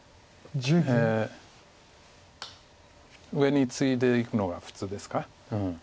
上にツイでいくのが普通ですか。